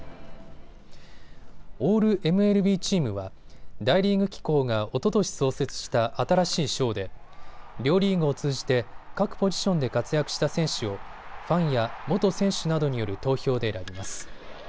オールＭＬＢチームは大リーグ機構がおととし創設した新しい賞で両リーグを通じて各ポジションで活躍した選手をファンや元選手などによる投票で選びます。